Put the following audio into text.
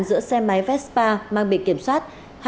giữa xe máy vespa mang biển kiểm soát